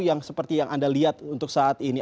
yang seperti yang anda lihat untuk saat ini